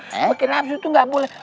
pake nafsu tuh gak boleh